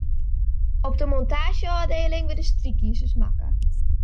Op de montaazjeôfdieling wurde strykizers makke.